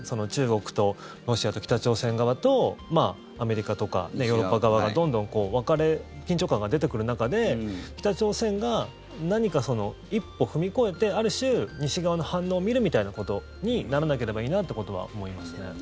中国とロシアと北朝鮮側とアメリカとかヨーロッパ側がどんどん緊張感が出てくる中で北朝鮮が何か、一歩踏み越えてある種西側の反応を見るみたいなことにならなければいいなということは思いますね。